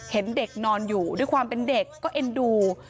เห็นเด็กนอนอยู่ด้วยความเป็นเด็กก็เอ็นดู